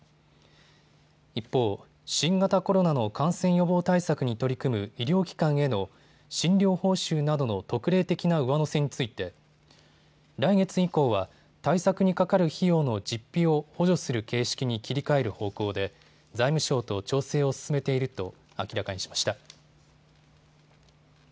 一方、新型コロナの感染予防対策に取り組む医療機関への診療報酬などの特例的な上乗せについて来月以降は対策にかかる費用の実費を補助する形式に切り替える方向で財務省と調整を進めていると明らかにしました。